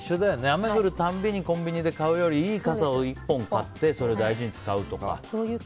雨降る度にコンビニで買うよりいい傘を１本買って大事に使うとか。